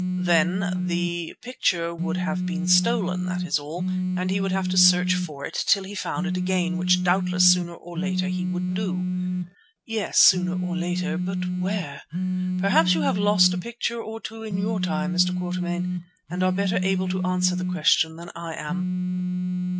"Then the picture would have been stolen, that is all, and he would have to search for it till he found it again, which doubtless sooner or later he would do." "Yes, sooner or later. But where? Perhaps you have lost a picture or two in your time, Mr. Quatermain, and are better able to answer the question than I am."